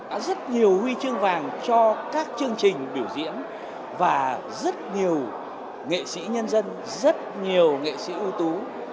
đã rất nhiều huy chương vàng cho các chương trình biểu diễn và rất nhiều nghệ sĩ nhân dân rất nhiều nghệ sĩ ưu tú